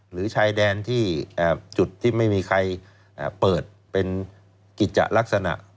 ชายแดนที่จุดที่ไม่มีใครเปิดเป็นกิจจะลักษณะ